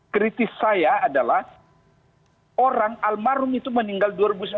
kritis saya adalah orang almarhum itu meninggal dua ribu sembilan belas